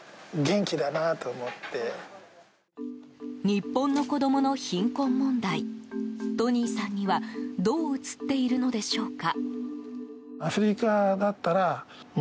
日本の子供の貧困問題トニーさんにはどう映っているのでしょうか。